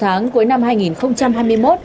sáu tháng cuối năm hai nghìn hai mươi một